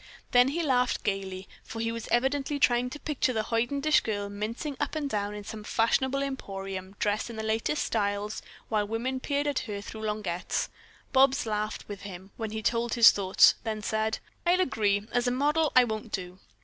Then he laughed gaily, for he was evidently trying to picture the hoidenish girl mincing up and down in some fashionable emporium dressed in the latest styles, while women peered at her through lorgnettes. Bobs laughed with him when he told his thoughts, then said: "I'll agree, as a model, I won't do."